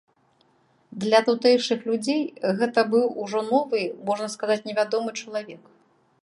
Для тутэйшых людзей гэта быў ужо новы, можна сказаць, невядомы чалавек.